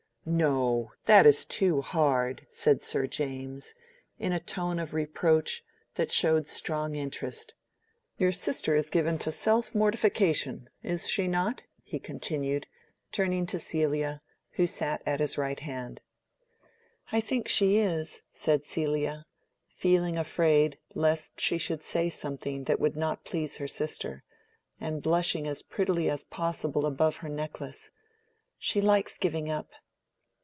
"No, that is too hard," said Sir James, in a tone of reproach that showed strong interest. "Your sister is given to self mortification, is she not?" he continued, turning to Celia, who sat at his right hand. "I think she is," said Celia, feeling afraid lest she should say something that would not please her sister, and blushing as prettily as possible above her necklace. "She likes giving up."